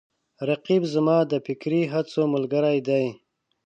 رقیب زما د فکري هڅو ملګری دی